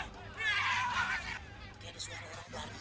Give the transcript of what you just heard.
gak ada suara orang baru